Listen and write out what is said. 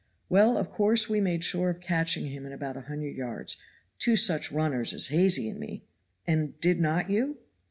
Well, of course, we made sure of catching him in about a hundred yards two such runners as Hazy and me " "And did not you?"